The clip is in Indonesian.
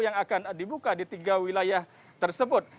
yang akan dibuka di tiga wilayah tersebut